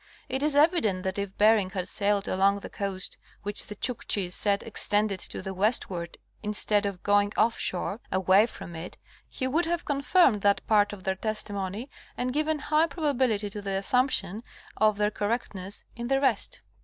It is evident that if Bering had sailed along the coast which the Chukchis said extended to the westward, instead of going off shore, away from it, he would have confirmed that part of their testimony, and given high probability to the assumption of their correctness in the rest.